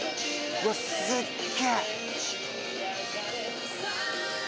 うわすっげ。